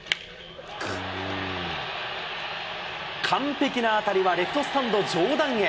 完璧な当たりはレフトスタンド上段へ。